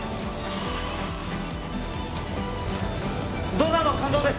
ドナーの肝臓です。